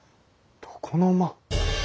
床の間。